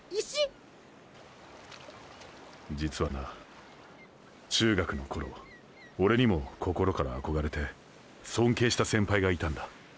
実はな中学の頃オレにも心から憧れて尊敬した先輩がいたんだ。